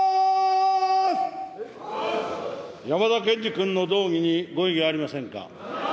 山田賢司君の動議にご異議ありませんか。